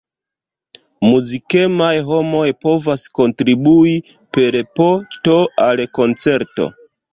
Muzikemaj homoj povas kontribui per po-to al koncerto.